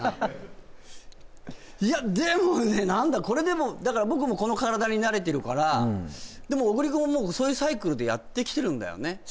これでもだから僕もこの体に慣れてるからでも小栗くんももうそういうサイクルでやってきてるんだよね